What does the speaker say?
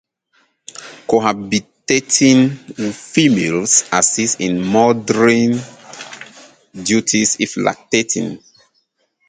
Cohabitating females assist in mothering duties if lactating.